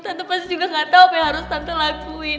tante pasti juga gak tau apa yang harus tante lakuin